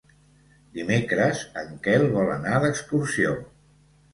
Dimecres en Quel vol anar d'excursió.